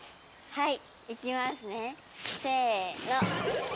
はい。